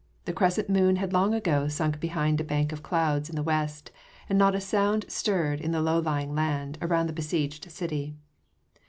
The crescent moon had long ago sunk behind a bank of clouds in the west, and not a sound stirred the low lying land around the besieged city.